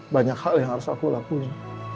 banyak hal yang harus aku lakuin